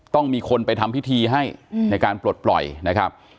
ต้องมีคนไปทำพิธีให้ในการปลดปล่อยนะครับ